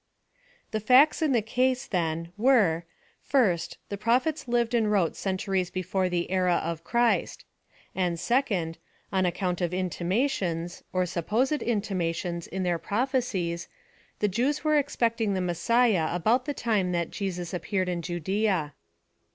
The facts in the case, then, were, first, The pro phets lived and wrote centuries before the era of Christ ; and, second. On account of intimations, or supposed intimations in their prophecies, the Jews were expecting the Messiah about the time that Jesus appeared in Judea.